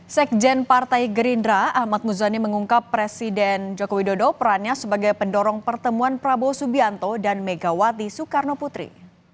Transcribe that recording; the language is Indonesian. sekjen partai gerindra ahmad muzani mengungkap presiden joko widodo perannya sebagai pendorong pertemuan prabowo subianto dan megawati soekarno putri